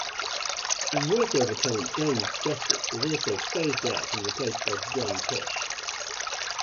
Voiceover talent James Justice was also phased out and replaced by John Tesh.